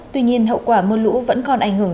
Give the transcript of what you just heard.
tuy nhiên hậu quả mưa lũ vẫn còn ảnh hưởng